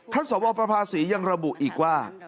ท่านสมวงประภาษียังระบุอีกว่า